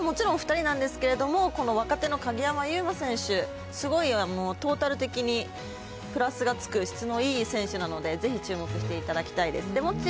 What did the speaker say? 注目はもちろん２人なんですけれども、この若手の鍵山優真選手、すごいトータル的にプラスがつく質のいい選手なので、ぜひ注目していただきたいです。